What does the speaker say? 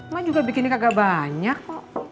man juga bikinnya kagak banyak kok